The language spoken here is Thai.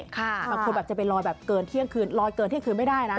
บางคนแบบจะไปลอยแบบเกินเที่ยงคืนลอยเกินเที่ยงคืนไม่ได้นะ